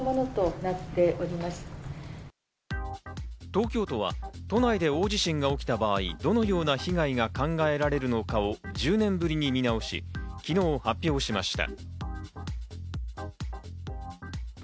東京都は都内で大地震が起きた場合、どのような被害が考えられるのかを１０年ぶりに見直し、昨日発表しました。